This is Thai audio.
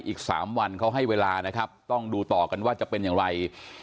อีก๓วันเขาให้เวลานะครับต้องดูต่อกันว่าจะเป็นอย่างไร